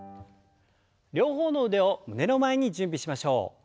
両方の腕を胸の前に準備しましょう。